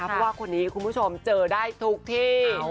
เพราะว่าคนนี้คุณผู้ชมเจอได้ทุกที่